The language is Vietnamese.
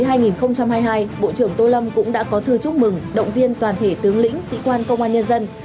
năm hai nghìn hai mươi hai bộ trưởng tô lâm cũng đã có thư chúc mừng động viên toàn thể tướng lĩnh sĩ quan công an nhân dân